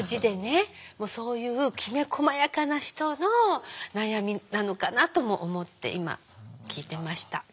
そういうきめこまやかな人の悩みなのかなとも思って今聞いてました。